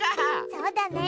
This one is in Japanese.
そうだね。